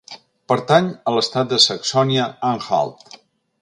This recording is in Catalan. Pertany a l'estat de Saxònia-Anhalt.